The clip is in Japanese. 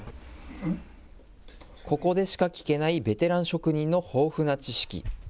ここでしか聞けないベテラン職人の豊富な知識。